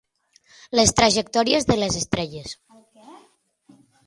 Les trajectòries de les estrelles.